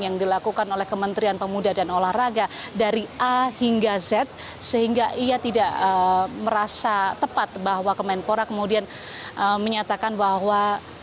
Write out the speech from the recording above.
yang dilakukan oleh kementerian pemuda dan olahraga dari a hingga z sehingga ia tidak merasa tepat bahwa kemenpora kemudian menyatakan bahwa